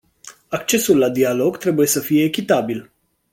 Accesul la dialog trebuie să fie echitabil.